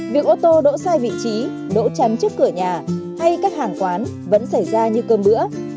việc ô tô đỗ sai vị trí đỗ chắn trước cửa nhà hay các hàng quán vẫn xảy ra như cơm bữa